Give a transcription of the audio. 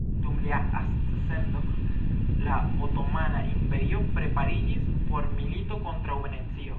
Dum lia ascendo, la Otomana Imperio prepariĝis por milito kontraŭ Venecio.